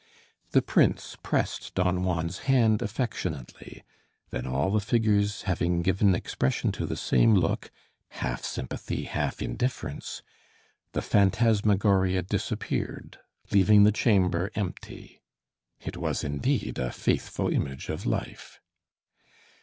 The prince pressed Don Juan's hand affectionately, then all the figures having given expression to the same look, half sympathy, half indifference, the phantasmagoria disappeared, leaving the chamber empty. It was, indeed, a faithful image of life!